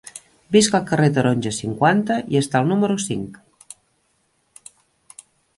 Visc al carrer Taronja, cinquanta i està al número cinc.